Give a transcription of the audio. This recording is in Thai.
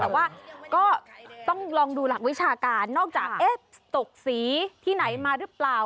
แต่ว่าก็ต้องลองดูหลักวิชาการนอกจากตกสีที่ไหนมาหรือเปล่า